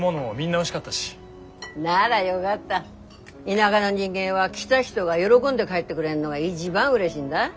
田舎の人間は来た人が喜んで帰ってくれんのが一番うれしいんだ。